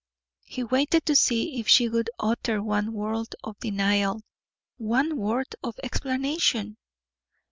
He waited to see if she would utter one word of denial, one word of explanation.